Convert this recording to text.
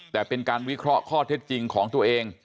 แต่เป็นการวิเคราะห์ข้อเท็จจริงของตัวเอง